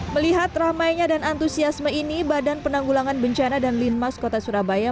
melihat ramainya dan antusiasme ini badan penanggulangan bencana dan linmas kota surabaya